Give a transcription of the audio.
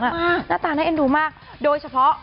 หน้าตาน่าเอ็นดูมากโดยเฉพาะ